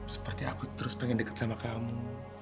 seperti aku terus pengen deket sama kamu